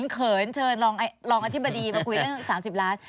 เขินเชิญรองอธิบดีมาคุยเรื่อง๓๐ล้าน